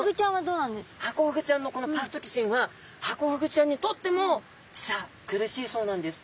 ハコフグちゃんのこのパフトキシンはハコフグちゃんにとっても実は苦しいそうなんです。